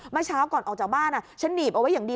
เมื่อเช้าก่อนออกจากบ้านฉันหนีบเอาไว้อย่างดี